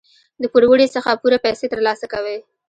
د پوروړي څخه پوره پیسې تر لاسه کوي.